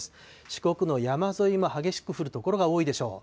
四国の山沿いも激しく降る所が多いでしょう。